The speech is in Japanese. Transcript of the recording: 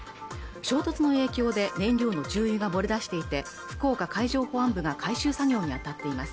衝突の影響で燃料の重油が漏れ出していて福岡海上保安部が回収作業に当たっています